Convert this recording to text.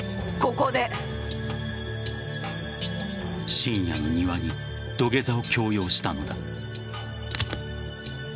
深夜の庭に土下座を強要したのだ。